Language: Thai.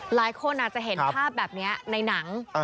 หลายคนอาจจะเห็นภาพแบบนี้ในหนัง